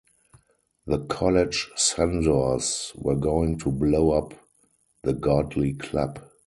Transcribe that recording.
The college censors were going to blow up the Godly Club.